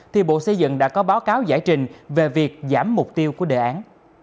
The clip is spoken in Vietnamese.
thì bộ xây dựng đã có báo cáo giải trình về việc giảm mục tiêu của đề án